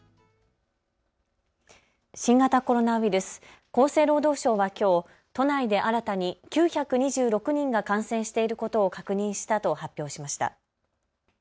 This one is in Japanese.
新型コロナウイルス、厚生労働省はきょう都内で新たに９２６人が感染していることを確認したと発表しました。